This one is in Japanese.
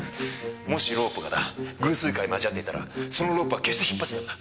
もしロープがな偶数回交わっていたらそのロープは決して引っ張っちゃダメだ。